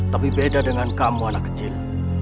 tapi beda dengan kamu anak kecil